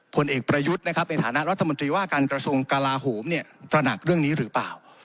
ผลเอกประยุทธ์นะครับในฐานะรัฐมนตรีว่าการกระทรวงกลาโหมเนี่ยตระหนักเรื่องนี้หรือเปล่า